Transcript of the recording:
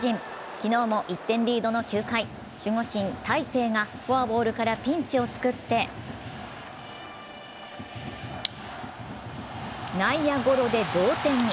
昨日も１点リードの９回、守護神・大勢がフォアボールからピンチを作って内野ゴロで同点に。